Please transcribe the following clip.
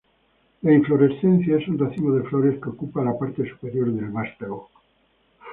La inflorescencia es un racimo de flores que ocupa la parte superior del vástago.